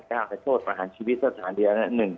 อ๋ออย่างนี้๒๘๙โทษประหารชีวิตสถานที่แล้ว